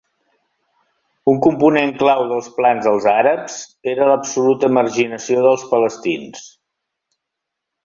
Un component clau dels plans dels Àrabs era l'absoluta marginació dels palestins...